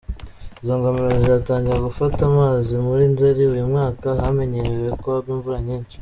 Izo ngomero zizatangira gufata amazi muri Nzeli uyu mwaka, ahamenyerewe ko hagwa imvura nyinshi.